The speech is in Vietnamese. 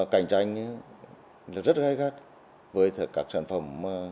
cạnh tranh rất gây gắt với các sản phẩm